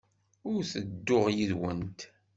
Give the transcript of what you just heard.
Ur ttedduɣ yid-went.